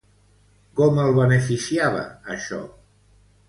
Com el beneficiava, això?